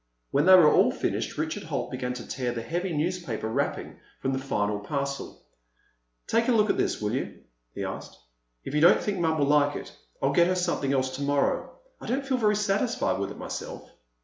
When they were all finished, Richard Holt began to tear the heavy newspaper wrapping from the final parcel. "Take a look at this, will you?" he asked. "If you don't think Mom will like it, I'll get her something else tomorrow. I don't feel very satisfied with it myself."